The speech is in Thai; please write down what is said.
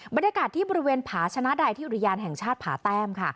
บรรยากาศที่บริเวณผาชนะใดที่อุทยานแห่งชาติผาแต้มค่ะ